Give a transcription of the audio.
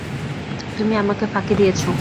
তুমি আমাকে ফাঁকি দিয়েছ।